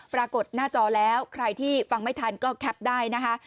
ปรากฏหน้าจอแล้วใครที่ฟังไม่ทันก็แคปได้นะคะ